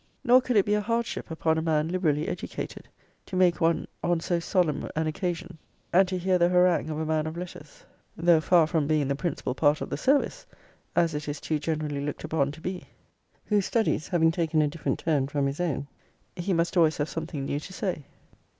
Nor could it be a hardship upon a man liberally educated, to make one on so solemn an occasion, and to hear the harangue of a man of letters, (though far from being the principal part of the service, as it is too generally looked upon to be,) whose studies having taken a different turn from his own, he must always have something new to say.